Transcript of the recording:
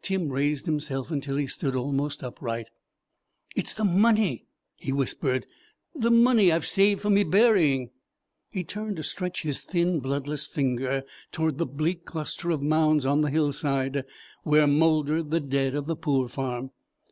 Tim raised himself until he stood almost upright. "It's the money," he whispered, "the money I've saved for me burying." He turned to stretch his thin, bloodless finger toward the bleak cluster of mounds on the hillside where mouldered the dead of the poor farm.